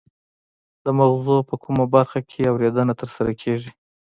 د مغزو په کومه برخه کې اوریدنه ترسره کیږي